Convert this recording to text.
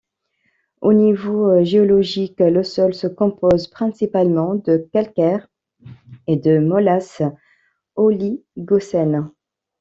Au niveau géologique, le sol se compose principalement de calcaire et de molasse oligocènes.